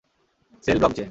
Sell block J.